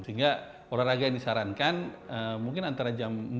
sehingga olahraga yang disarankan mungkin antara jam empat jam empat jam lima